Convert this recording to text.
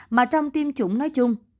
mà trong tiêm chủng nói chung